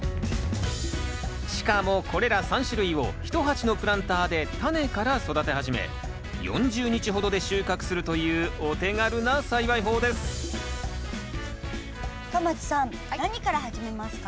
しかもこれら３種類を１鉢のプランターでタネから育て始め４０日ほどで収穫するというお手軽な栽培法です深町さん何から始めますか？